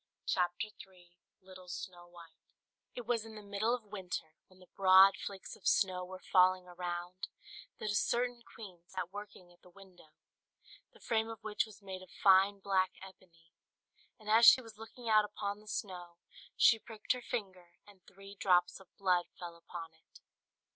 LITTLE SNOW WHITE It was in the middle of winter, when the broad flakes of snow were falling around, that a certain queen sat working at the window, the frame of which was made of fine black ebony; and as she was looking out upon the snow, she pricked her finger, and three drops of blood fell upon it.